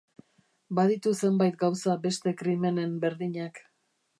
Baditu zenbait gauza beste krimenen berdinak.